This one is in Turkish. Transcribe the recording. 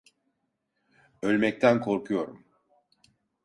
Ölmekten korkuyorum.